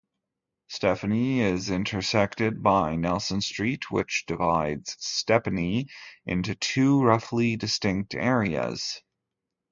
Stepney is intersected by Nelson Street which divides Stepney into two roughly distinct areas.